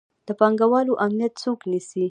د پانګوالو امنیت څوک نیسي؟